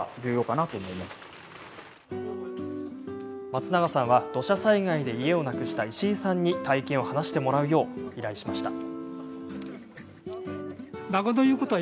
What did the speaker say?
松永さんは、土砂災害で家をなくした石井さんに体験を話してもらうよう依頼しました。